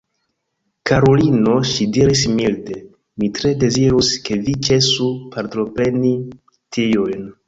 Karulino, ŝi diris milde, mi tre dezirus, ke vi ĉesu partopreni tiujn.